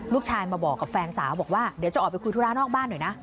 ลูกชายมาบอกกับแฟนสาวบอกว่าเดี๋ยวจะออกไปคุยธุระนอกบ้านหน่อยนะ